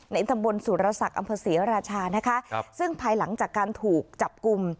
ในทำบลสุรษัตริย์อัมพศรีราชานะคะครับซึ่งภายหลังจากการถูกจับกลุ่ม